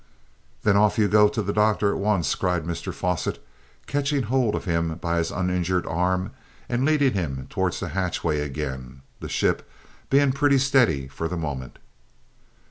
"Then off you go to the doctor at once," cried Mr Fosset, catching hold of him by his uninjured arm and leading him towards the hatchway again, the ship being pretty steady for the moment.